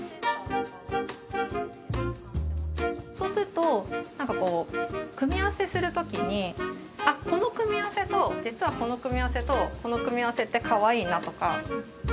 そうするとなんかこう組み合わせする時にあこの組み合わせと実はこの組み合わせとこの組み合わせってかわいいなとか。